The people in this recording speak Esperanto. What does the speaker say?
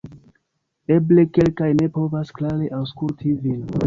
Eble kelkaj ne povas klare aŭskulti vin